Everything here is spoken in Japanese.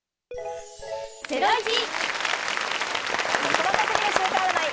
細か過ぎる週間占い！